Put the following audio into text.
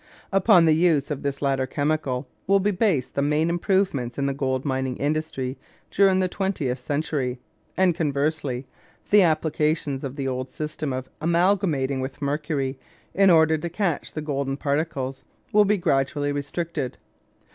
Upon the use of this latter chemical will be based the main improvements in the gold mining industry during the twentieth century; and, conversely, the applications of the old system of amalgamating with mercury, in order to catch the golden particles, will be gradually restricted.